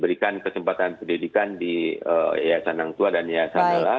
berikan kesempatan pendidikan di yayasan angkua dan yayasan nala